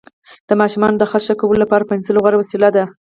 د ماشومانو د خط ښه کولو لپاره پنسل غوره وسیله ده.